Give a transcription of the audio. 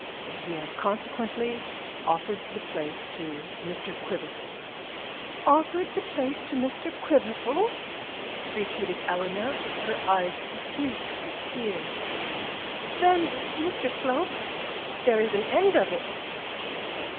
He has consequently offered the place to Mr Quiverful.' 'Offered the place to Mr Quiverful!' repeated Eleanor, her eyes suffused with tears. 'Then, Mr Slope, there is an end of it.'